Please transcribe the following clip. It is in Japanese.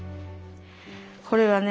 これはね